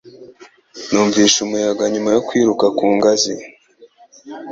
Numvise umuyaga nyuma yo kwiruka ku ngazi